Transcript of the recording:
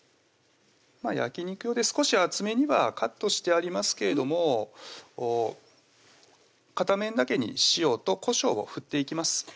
まぁ焼肉用で少し厚めにはカットしてありますけれども片面だけに塩とこしょうを振っていきます